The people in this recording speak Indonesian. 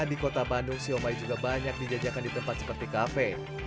di kota bandung siomay juga banyak dijajakan di tempat seperti kafe